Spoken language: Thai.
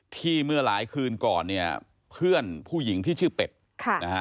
เมื่อหลายคืนก่อนเนี่ยเพื่อนผู้หญิงที่ชื่อเป็ดค่ะนะฮะ